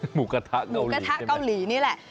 หมูกระทะเกาหลีนี่แหละ